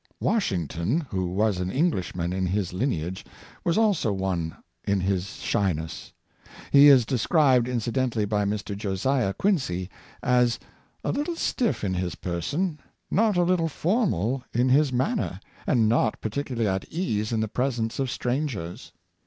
Washington, who was an Englishman in his lineage. 538 True Politeness, was also one in his shyness. He is described incident ally by Mr. Josiah Quincy as "a little stifF in his per son, not a little formal in his manner, and not par ticularly at ease in the presence of strangers.